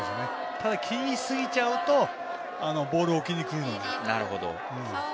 ただ、気にしすぎちゃうとボールを置きにくるので。